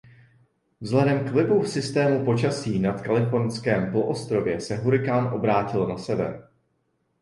Vzhledem k vlivu systému počasí nad Kalifornském poloostrově se hurikán obrátil na sever.